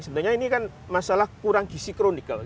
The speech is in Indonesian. sebenarnya ini kan masalah kurang disikronikal